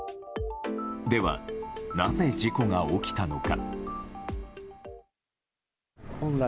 では、なぜ事故が起きたのか。